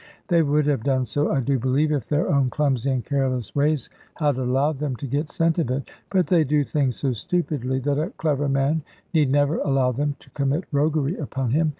They would have done so, I do believe, if their own clumsy and careless ways had allowed them to get scent of it. But they do things so stupidly, that a clever man need never allow them to commit roguery upon him.